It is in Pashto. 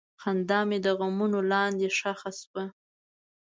خندا مې د غمونو لاندې ښخ شوه.